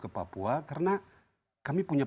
ke papua karena kami punya